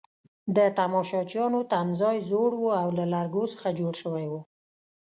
د تماشچیانو تمځای زوړ وو او له لرګو څخه جوړ شوی وو.